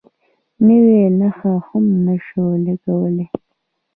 نوې نښه هم نه شو لګولی.